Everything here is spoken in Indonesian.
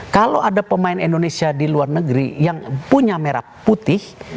kalau ada pemain indonesia di luar negeri yang punya merah putih